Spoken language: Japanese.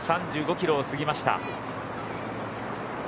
３５キロを過ぎました。